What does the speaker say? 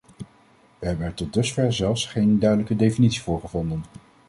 We hebben er tot dusver zelfs geen duidelijke definitie voor gevonden.